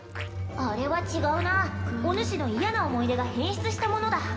あれは違うなおぬしの嫌な思い出が変質したものだ